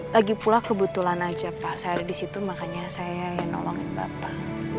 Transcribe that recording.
lagipula kebetulan aja pak saya ada disitu makanya saya yang nolongin bapak